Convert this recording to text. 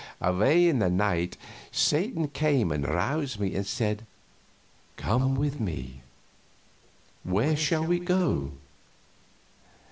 Away in the night Satan came and roused me and said: "Come with me. Where shall we go?"